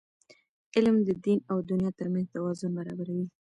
علم د دین او دنیا ترمنځ توازن برابروي.